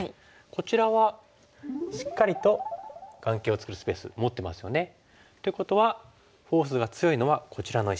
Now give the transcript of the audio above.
こちらはしっかりと眼形を作るスペース持ってますよね。ということはフォースが強いのはこちらの石。